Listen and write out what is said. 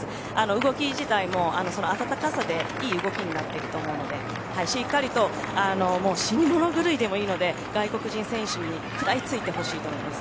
動き自体もその暖かさでいい動きになっていると思うのでしっかりともう死に物狂いでもいいので外国人選手に食らいついてほしいと思います。